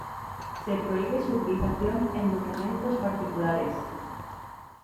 Se prohíbe su utilización en documentos particulares.